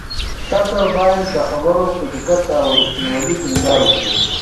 تاسو باید د خبر په دقت او رښتینولۍ ټینګار وکړئ.